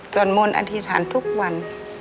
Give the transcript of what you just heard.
มนต์อธิษฐานทุกวัน